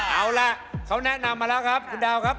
เอาล่ะเขาแนะนำมาแล้วครับ